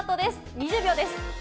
２０秒です。